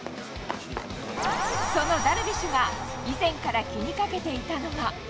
そのダルビッシュが以前から気にかけていたのが。